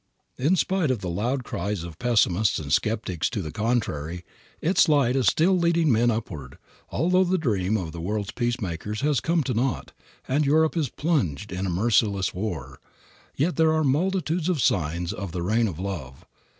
In spite of the loud cries of pessimists and skeptics to the contrary, its light is still leading men upward. Although the dream of the world's peacemakers has come to naught and Europe is plunged in a merciless war, yet there are multitudes of signs of the reign of love.